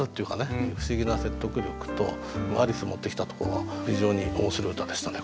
不思議な説得力と「アリス」持ってきたところが非常に面白い歌でしたね